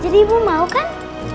jadi ibu mau kan